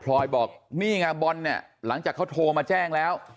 ลอยบอกนี่ไงบอลเนี่ยหลังจากเขาโทรมาแจ้งแล้ว